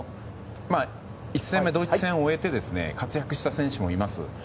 １戦目ドイツ戦を終えて活躍した選手もいます。